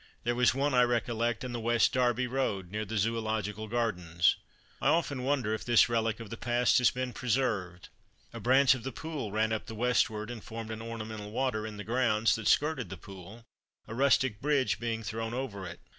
There was one, I recollect, in the West Derby road, near the Zoological Gardens. I often wonder if this relic of the past has been preserved. A branch of the Pool ran up the westward and formed an ornamental water in the grounds that skirted the Pool, a rustic bridge being thrown over it.